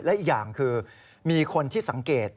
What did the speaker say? และอีกอย่างคือมีคนที่สังเกต